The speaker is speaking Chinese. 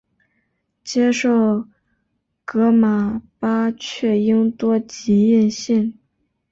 接受噶玛巴却英多吉印信。